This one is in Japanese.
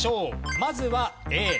まずはＡ。